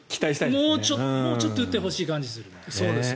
もうちょっと打ってほしい感じがする。